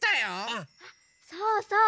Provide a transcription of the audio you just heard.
あそうそう！